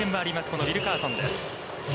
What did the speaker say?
このウィルカーソンです。